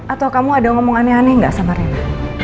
atau kamu ada ngomong aneh aneh nggak sama rena